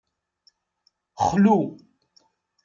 Xlu.